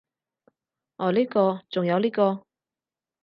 噢呢個，仲有呢個